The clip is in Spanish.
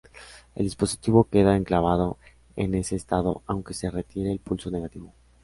El dispositivo queda enclavado en ese estado, aunque se retire el pulso negativo.